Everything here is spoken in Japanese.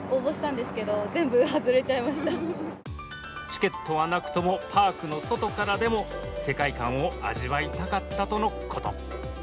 チケットはなくとも、パークの外からでも世界観を味わいたかったとのこと。